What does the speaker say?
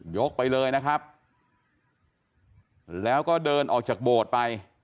ไปเลยนะครับแล้วก็เดินออกจากโบสถ์ไป